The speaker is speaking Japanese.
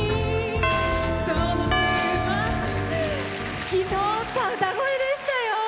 透き通った歌声でしたよ。